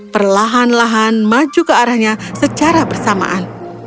perlahan lahan maju ke arahnya secara bersamaan